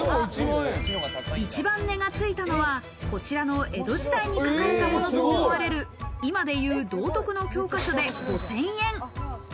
一番値がついたのはこちらの江戸時代に書かれたものと思われる、今でいう、道徳の教科書で５０００円。